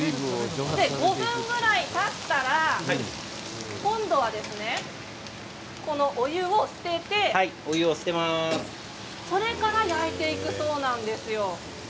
５分ぐらいたったら今度は、このお湯を捨ててそれから焼いていくそうなんですよ。